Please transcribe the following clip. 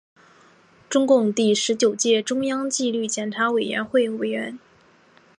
中共第十九届中央纪律检查委员会委员。